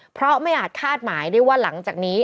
เพราะไม่อาจคาดหมายได้ว่าหลังจากนี้